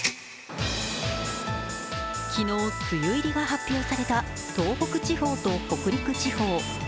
昨日、梅雨入りが発表された東北地方と北陸地方。